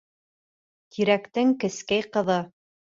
Тирәктең кескәй ҡыҙы.